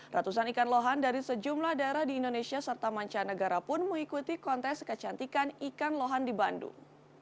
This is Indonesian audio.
ratusan ikan lohan dari sejumlah daerah di indonesia serta mancanegara pun mengikuti kontes kecantikan ikan lohan di bandung